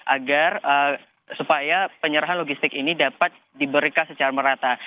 agar supaya penyerahan logistik ini dapat diberikan secara merata